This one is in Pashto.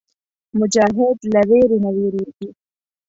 مجاهد له ویرې نه وېرېږي.